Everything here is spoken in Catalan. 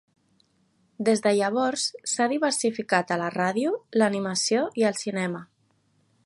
Des de llavors, s'ha diversificat a la ràdio, l'animació i el cinema.